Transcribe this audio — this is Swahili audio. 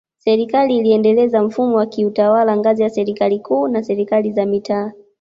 Serikali iliendeleza mfumo wa kiutawala ngazi ya Serikali Kuu na Serikali za Mitaa